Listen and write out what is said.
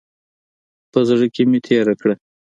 په زړه کې مې تېره کړه.